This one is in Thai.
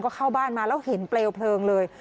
ก็เข้าบ้านมาแล้วเห็นเปลวเพลิงเลย